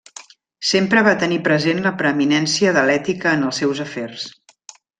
Sempre va tenir present la preeminència de l'ètica en els seus afers.